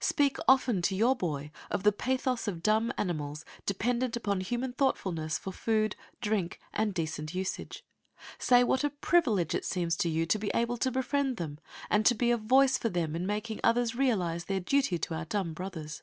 Speak often to your boy of the pathos of dumb animals dependent upon human thoughtfulness for food, drink, and decent usage. Say what a privilege it seems to you to be able to befriend them, and to be a voice for them in making others realize their duty to our dumb brothers.